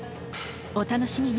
お楽しみに！